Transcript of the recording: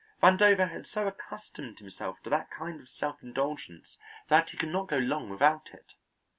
Vandover had so accustomed himself to that kind of self indulgence that he could not go long without it.